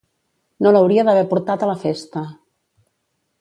No l'hauria d'haver portat a la festa!